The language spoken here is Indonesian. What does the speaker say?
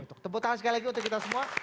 untuk tepuk tangan sekali lagi untuk kita semua